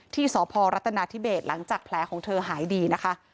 ที่สพรัฐนาธิเบสหลังจากแผลของเธอหายดีนะคะ